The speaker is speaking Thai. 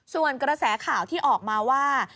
ส่วนกระแสข่าวที่ออกมาว่า